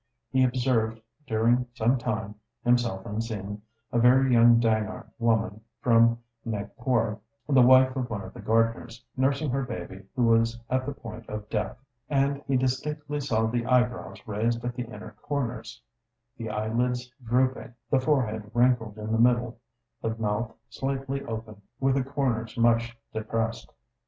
He observed during some time, himself unseen, a very young Dhangar woman from Nagpore, the wife of one of the gardeners, nursing her baby who was at the point of death; and he distinctly saw the eyebrows raised at the inner comers, the eyelids drooping, the forehead wrinkled in the middle, the mouth slightly open, with the comers much depressed.